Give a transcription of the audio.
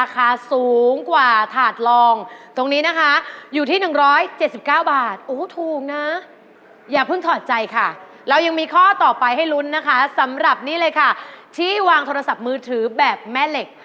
ข้าสูงกว่าถาดรองตรงนี้นะคะอยู่ที่๑๗๙บาทโอ้ถูกนะอย่าเพิ่งถอดใจค่ะแล้วยังมีข้อต่อไปให้ลุ้นนะคะสำหรับนี้เลยค่ะที่วางโทรศัพท์มือถือแบบแม่เหล็ก